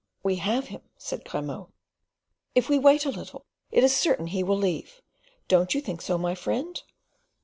"We have him," said Grimaud. "If we wait a little it is certain he will leave; don't you think so, my friend?"